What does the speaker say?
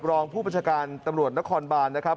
รองผู้ประชาการตำรวจนครบานนะครับ